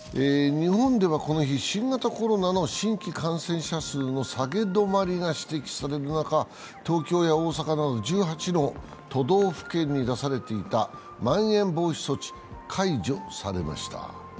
日本ではこの日、新型コロナの新規感染者数の下げ止まりが指摘される中、東京や大阪など１８の都道府県に出されていたまん延防止措置が解除されました。